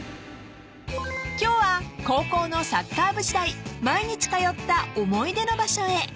［今日は高校のサッカー部時代毎日通った思い出の場所へ］